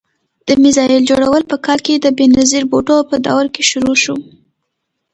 د میزایل جوړول په کال کې د بېنظیر بوټو په دور کې شروع شو.